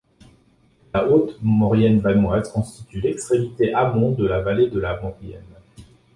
La Haute-Maurienne-Vanoise constitue l'extrémité amont de la vallée de la Maurienne.